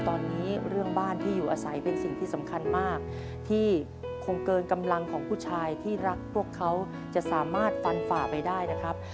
ตอนนี้เรื่องบ้านที่อยู่อาศัยเป็นสิ่งที่สำคัญมากที่คงเกินกำลังของผู้ชายที่รักพวกเขาจะสามารถฟันฝ่าไปได้นะครับ